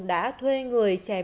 đã thuê người chém trọng